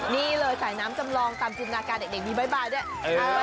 นี่เลยสายน้ำจำลองตามจุดนาการเด็กนี้บ๊ายบายเนี้ย